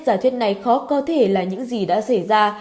giả thuyết này khó có thể là những gì đã xảy ra